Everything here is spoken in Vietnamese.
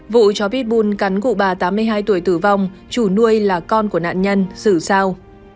vụ chó pitbull cắn cụ bà tám mươi hai tuổi tử vong chủ nuôi là con của nạn nhân xử sao